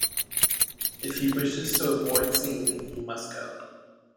If he wishes to avoid seeing me, he must go.